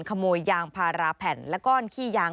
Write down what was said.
ขโมยยางพาราแผ่นและก้อนขี้ยาง